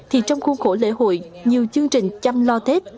thì trong khuôn khổ lễ hội nhiều chương trình chăm lo tết